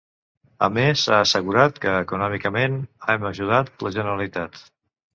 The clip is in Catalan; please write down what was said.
A més, ha assegurat que econòmicament ‘hem ajudat la Generalitat’.